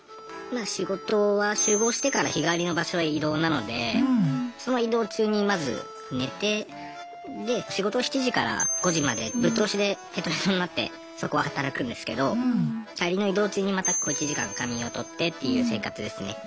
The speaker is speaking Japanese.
まあ仕事は集合してから日帰りの場所へ移動なのでその移動中にまず寝てで仕事７時から５時までぶっ通しでへとへとになってそこは働くんですけど帰りの移動中にまた小一時間仮眠をとってという生活ですね。